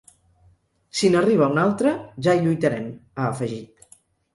“Si n’arriba una altra, ja hi lluitarem”, ha afegit.